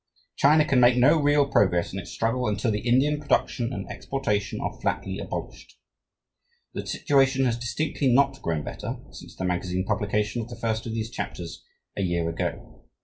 China can make no real progress in its struggle until the Indian production and exportation are flatly abolished. The situation has distinctly not grown better since the magazine publication of the first of these chapters, a year ago.